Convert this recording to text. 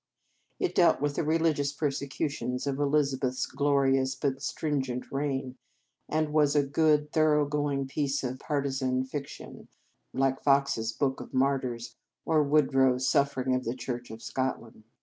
It dealt with the religious persecutions of Elizabeth s glorious but stringent reign, and was a good, thorough going piece of partisan fic tion, like Fox s " Book of Martyrs," or Wodrow s " Sufferings of the Church of Scotland."